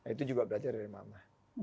itu juga belajar dari mama